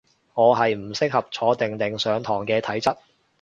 我係唔適合坐定定上堂嘅體質